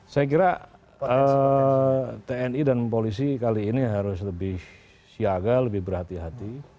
saya kira tni dan polisi kali ini harus lebih siaga lebih berhati hati